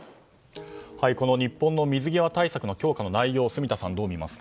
日本の水際対策の強化の内容を住田さん、どう見ますか。